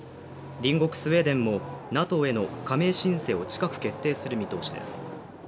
隣国スウェーデンもＮＡＴＯへの加盟申請を近く決定する見通しです。